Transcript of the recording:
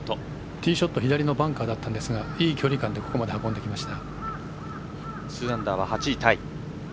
ティーショット左のバンカーでしたがいい距離感でここまで運んできました。